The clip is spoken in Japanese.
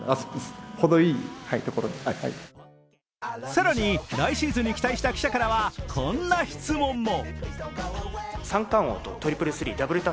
更に、来シーズンに期待した記者からはこんな質問も。